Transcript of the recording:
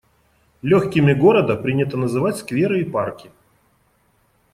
«Лёгкими города» принято называть скверы и парки.